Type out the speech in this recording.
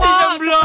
sip po setengah po